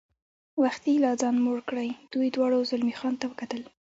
وختي لا ځان موړ کړی، دوی دواړو زلمی خان ته وکتل.